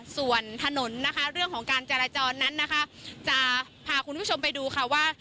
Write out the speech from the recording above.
ส่วนถนนนะคะเรื่องของการจราจรนั้นนะคะจะพาคุณผู้ชมไปดูค่ะว่า